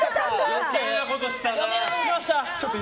余計なことしたな。